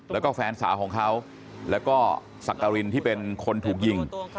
แล้วก็แฟนสาวของเขาแล้วก็สักกรินที่เป็นคนถูกยิง